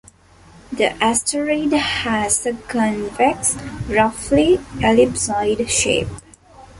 The asteroid has a convex, roughly ellipsoid shape.